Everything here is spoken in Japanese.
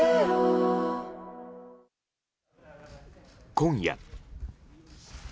今夜。